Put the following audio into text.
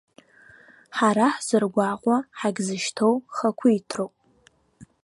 Ҳара ҳзыргәаҟуа, ҳагьзышьҭоу хақәиҭроуп.